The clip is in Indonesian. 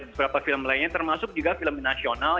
beberapa film lainnya termasuk juga film nasional